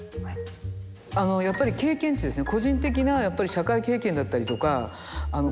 あのやっぱり経験値ですね。